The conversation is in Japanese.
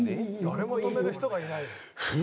「誰も止める人がいないよ」